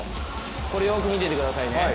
これよく見ていてくださいね。